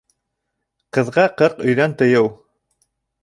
Ҡыҙға ҡырҡ өйҙән тыйыу.